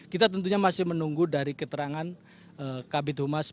kita tentunya masih menunggu dari keterangan kabit humas